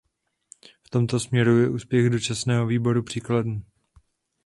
V tomto směru je úspěch dočasného výboru příkladný.